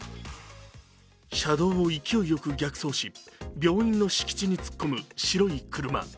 車道を勢いよく逆走し、病院の敷地に突っ込む白い車。